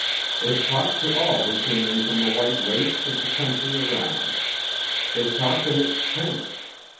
It talked to all who came in from the white wastes of the country around. It talked in its tents.